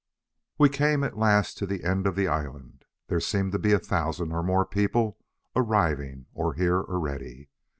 We came at last to the end of the island. There seemed to be a thousand or more people arriving, or here already.